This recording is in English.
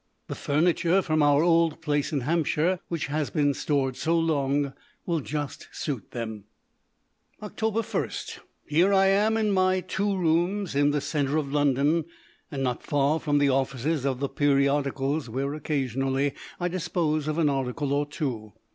The furniture from our old place in Hampshire, which has been stored so long, will just suit them. Oct. 1. Here I am in my two rooms, in the centre of London, and not far from the offices of the periodicals, where occasionally I dispose of an article or two.